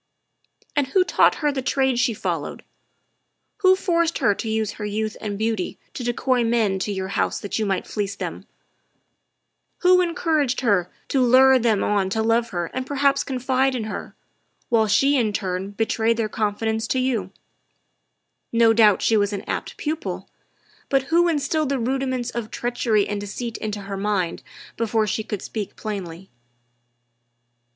"And who taught her the trade she followed? Who forced her to use her youth and beauty to decoy men to your house that you might fleece them ? Who encour aged her to lure them on to love her and perhaps confide in her, while she in turn betrayed their confidence to you? No doubt she was an apt pupil, but who instilled the rudiments of treachery and deceit into her mind before she could speak plainly?"